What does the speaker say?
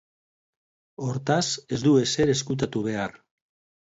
Hortaz, ez du ezer ezkutatu behar.